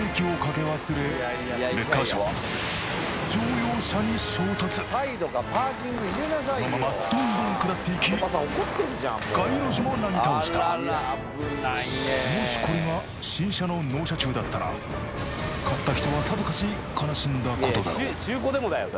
レッカー車は乗用車に衝突そのままどんどん下っていき街路樹もなぎ倒したもしこれが新車の納車中だったら買った人はさぞかし悲しんだことだろう